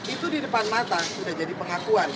itu di depan mata sudah jadi pengakuan